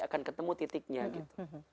akan ketemu titiknya gitu